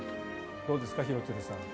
どうですか、廣津留さん。